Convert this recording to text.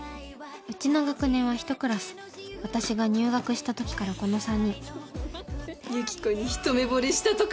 うちの学年は１クラス私が入学した時からこの３人ユキコにひと目ぼれしたとか？